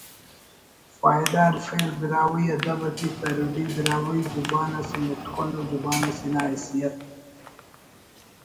فائدہ ارفیر براہوئی ادب اٹی پیروڈی براہوئی زبان اسہ متکن ءُ زبان اسے نا حیثیت